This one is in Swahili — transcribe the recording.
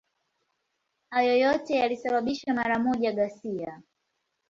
Hayo yote yalisababisha mara moja ghasia.